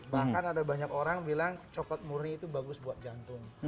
bahkan ada banyak orang bilang coklat muri itu bagus buat jantung